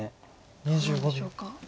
どうなんでしょうか。